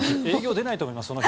営業に出ないと思います